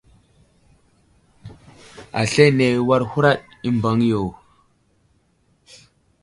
Aslane war huraɗ i mbaŋ yo.